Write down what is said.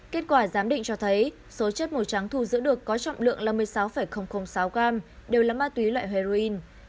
kết quả giám định cho thấy số chất màu trắng thu giữ được có trọng lượng là một mươi sáu sáu gram đều là ma túy loại heroin